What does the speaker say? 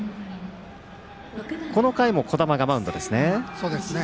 この回も小玉がマウンドですね。